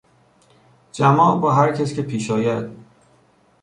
جماع با هر کس که پیش آید